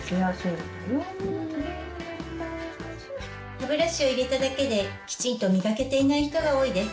歯ブラシを入れただけできちんと磨けていない人が多いです。